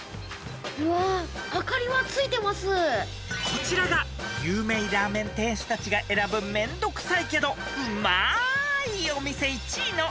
［こちらが有名ラーメン店主たちが選ぶめんどくさいけどうまいお店１位の］